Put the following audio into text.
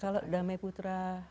kalau damai putra group sudah ada